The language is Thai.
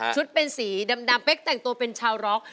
เป็นสีดำเป๊กแต่งตัวเป็นชาวร็อก